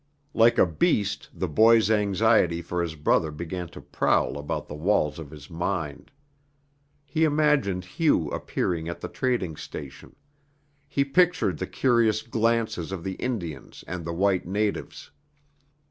Like a beast the boy's anxiety for his brother began to prowl about the walls of his mind. He imagined Hugh appearing at the trading station. He pictured the curious glances of the Indians and the white natives.